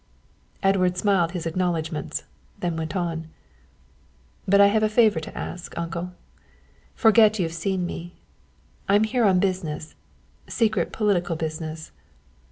Edward smiled his acknowledgments, then went on "But I have a favour to ask, uncle. Forget you've seen me. I'm here on business secret political business."